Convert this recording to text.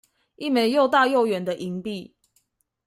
一枚又大又圓的銀幣